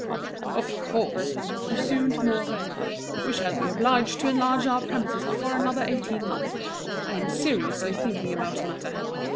"Of course," resumed Mouret, "we shall be obliged to enlarge our premises before another eighteen months. I'm seriously thinking about the matter.